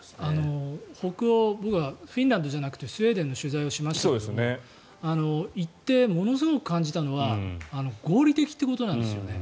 北欧、僕はフィンランドじゃなくてスウェーデンの取材をしましたが行って、ものすごく感じたのは合理的ということなんですよね。